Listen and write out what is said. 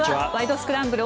スクランブル」